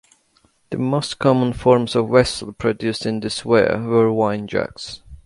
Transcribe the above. The most common forms of vessel produced in this ware were wine jugs.